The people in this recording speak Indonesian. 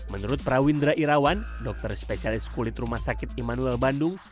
menurut prawindra irawan dokter spesialis kulit rumah sakit immanuel bandung